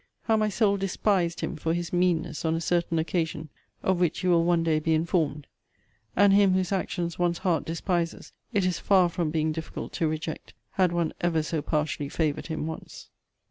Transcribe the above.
how my soul despised him for his meanness on a certain occasion, of which you will one day be informed!* and him whose actions one's heart despises, it is far from being difficult to reject, had one ever so partially favoured him once.